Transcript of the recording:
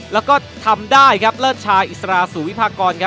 และทำได้เลิศชายอิสราสุวิพากร